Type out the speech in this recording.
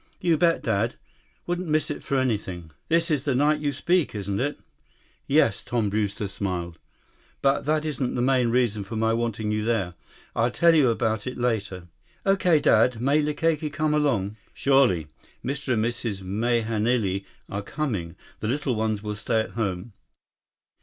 "You bet, Dad. Wouldn't miss it for anything. This is the night you speak, isn't it?" "Yes." Tom Brewster smiled. "But that isn't the main reason for my wanting you there. I'll tell you about it later." "Okay, Dad. May Likake come along?" "Surely. Mr. and Mrs. Mahenili are coming. The little ones will stay at home."